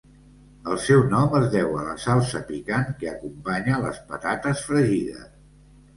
El seu nom es deu a la salsa picant que acompanya les patates fregides.